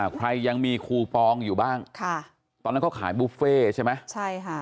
ใครยังมีคูปองอยู่บ้างค่ะตอนนั้นเขาขายบุฟเฟ่ใช่ไหมใช่ค่ะ